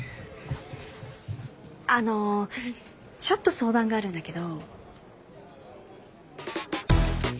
あのちょっと相談があるんだけど。